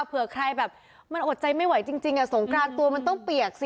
เผื่อใครแบบมันอดใจไม่ไหวจริงสงกรานตัวมันต้องเปียกสิ